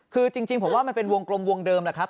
คือจริงผมว่ามันเป็นวงกลมวงเดิมแหละครับ